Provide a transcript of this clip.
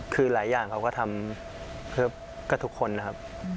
คือหลายอย่างเขาก็ทำเพื่อกับทุกคนนะครับ